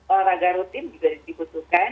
olahraga rutin juga dibutuhkan